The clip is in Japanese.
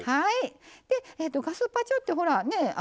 でガスパチョってほらね？